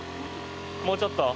もうちょっと？